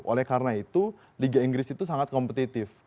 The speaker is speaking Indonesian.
oleh karena itu liga inggris itu sangat kompetitif